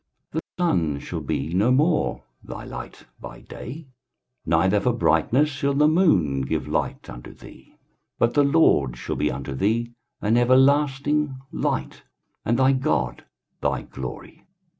23:060:019 The sun shall be no more thy light by day; neither for brightness shall the moon give light unto thee: but the LORD shall be unto thee an everlasting light, and thy God thy glory.